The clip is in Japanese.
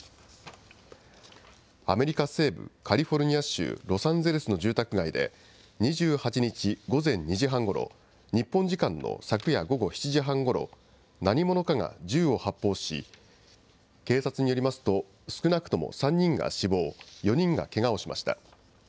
アメリカ西部、カリフォルニア州ロサンゼルスの住宅街で、２８日午前２時半ごろ、日本時間の昨夜午後７時半ごろ、何者かが銃を発砲し、警察によりますと、少なくとも３人が死亡、４人がけがをしました。